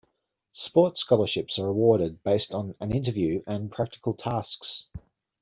Sports scholarships are awarded based on an interview and practical tasks.